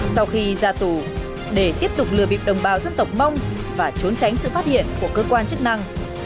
sau khi ra tù để tiếp tục lừa bịp đồng bào dân tộc mông và trốn tránh sự phát hiện của cơ quan chức năng